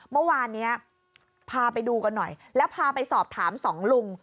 เมื่อวานนี้พาไปดูกันหน่อยแล้วพาไปสอบถามสองลุง